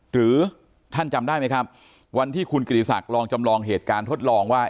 หรือท่านจำได้ไหมครับวันที่คุณกิติศักดิ์ลองจำลองเหตุการณ์ทดลองว่า